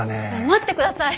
待ってください。